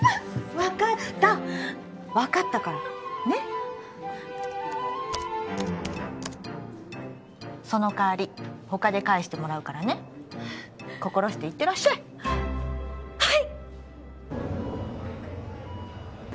分かった分かったからねっその代わり他で返してもらうからね心して行ってらっしゃいはい！